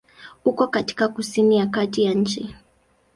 Uko katika kusini ya kati ya nchi.